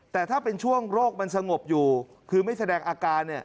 แต่ถ้าเป็นช่วงโรคมันสงบอยู่คือไม่แสดงอาการเนี่ย